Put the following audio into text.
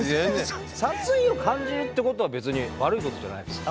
殺意を感じるってことは別に悪いことじゃないですからね。